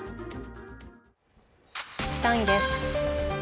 ３位です。